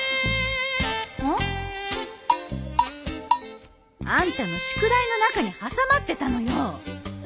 うん？あんたの宿題の中に挟まってたのよ。